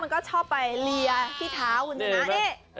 ก็ชอบไปลียที่เท้าคุณชนะ